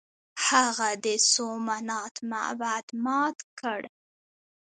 هغه د سومنات معبد مات کړ.